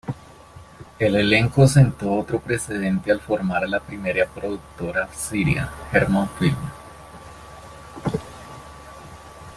El elenco sentó otro precedente al formar la primera productora siria: Hermon Film.